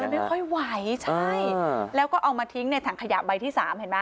ไม่ค่อยไหวใช่แล้วก็เอามาทิ้งในถังขยะใบที่สามเห็นไหม